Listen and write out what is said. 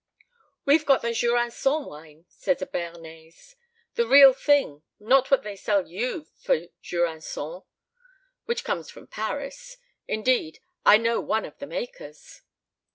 "We've got the jurancon wine," said a Bearnais, "the real thing, not what they sell you for jurancon, which comes from Paris; indeed, I know one of the makers."